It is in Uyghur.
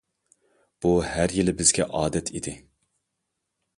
بۇ ھەر يىلى بىزگە ئادەت ئىدى.